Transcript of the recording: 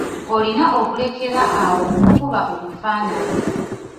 Olina okulekera awo okukuba obufaananyi.